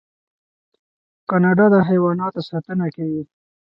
کاناډا د حیواناتو ساتنه کوي.